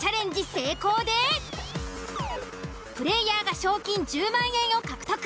成功でプレイヤーが賞金１０万円を獲得。